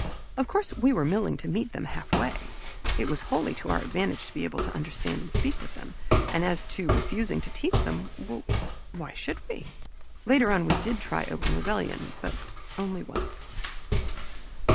Of course, we were willing to meet them halfway. It was wholly to our advantage to be able to understand and speak with them, and as to refusing to teach them why should we? Later on we did try open rebellion, but only once.